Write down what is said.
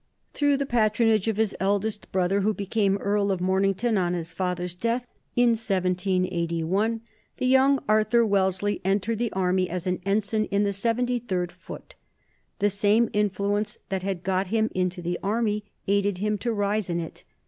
Through the patronage of his eldest brother, who became Earl of Mornington on his father's death, in 1781, the young Arthur Wellesley entered the Army as an ensign in the Seventy third Foot. The same influence that had got him into the army aided him to rise in it.